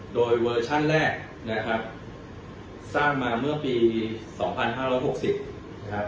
โดยเวอร์ชันแรกนะครับสร้างมาเมื่อปีสองพันห้าร้อยหกสิบนะครับ